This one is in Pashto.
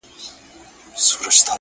ور په زړه یې تش دېګدان د خپل ماښام سو -